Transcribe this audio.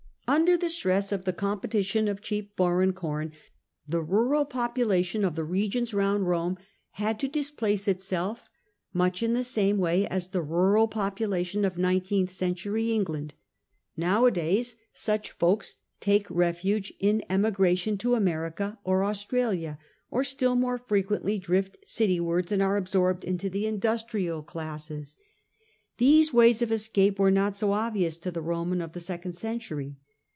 Under the stress of the competition of cheap foreign com^ the rural population of the regions round Rome had to displace itself, much in the same way as the rural population of nineteenth century England. Nowadays such folks take refuge in emigration to America or Australia, or still more frequently drift citywards and are absorbed into the industrial classes. Thes© ways of escape were not so obvious to the Roman of the second century.